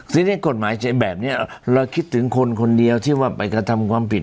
ทีนี้กฎหมายแบบนี้เราคิดถึงคนคนเดียวที่ว่าไปกระทำความผิด